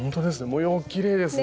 模様がきれいですね。